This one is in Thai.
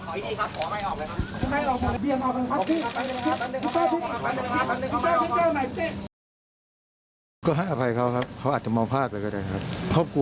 แต่ก็ให้อภัยครับผมอาจจะมอบภาพไปก็ได้ครับ